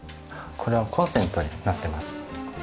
これはコンセントになってます。